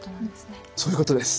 そういうことです。